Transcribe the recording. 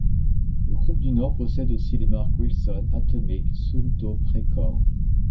Le groupe du Nord possède aussi les marques Wilson, Atomic, Suunto, Precor.